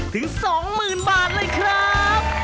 ถึง๒๐๐๐บาทเลยครับ